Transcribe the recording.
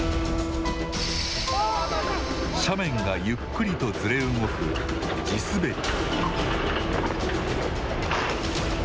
斜面がゆっくりとずれ動く地滑り。